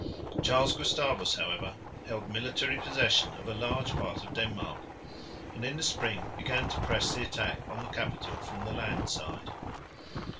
Charles Gustavus however held military possession of a large part of Denmark, and in the spring began to press the attack on the capital from the land side.